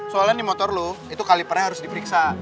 soalnya nih motor lu itu kali pernya harus diperiksa